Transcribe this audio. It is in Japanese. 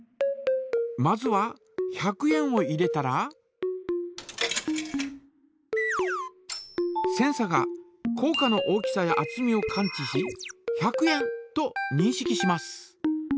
まずは１００円を入れたらセンサがこう貨の大きさやあつみを感知し「１００円」とにんしきします。